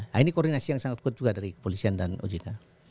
nah ini koordinasi yang sangat kuat juga dari kepolisian dan ojk